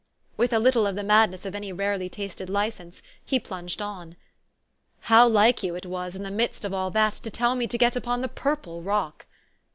With a little of the madness of any rarely tasted license, he plunged on, " How like you it was, in the midst of all that, to tell me to get upon the purple rock